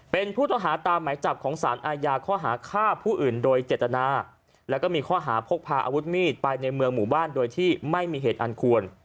เป็นผู้ต้องหาตามหมายจับของสารอาญาข้อหาฆ่าผู้อื่นโดยเจตนาแล้วก็มีข้อหาพกพาอาวุธมีดไปในเมืองหมู่บ้านโดยที่ไม่มีเหตุอันควร